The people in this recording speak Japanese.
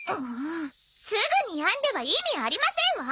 すぐにやんでは意味ありませんわ！